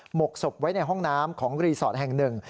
หกศพไว้ในห้องน้ำของรีสอร์ทแห่งหนึ่ง